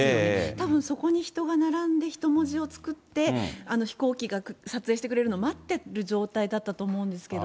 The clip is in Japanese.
たぶんそこに人が並んで、人文字を作って、飛行機が撮影してくれるの待ってる状態だったと思うんですけど。